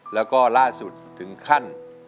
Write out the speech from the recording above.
แล้วก็ล่าสุดถึงขั้น